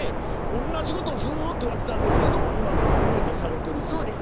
同じことをずっとやってたけど今、ノミネートされている。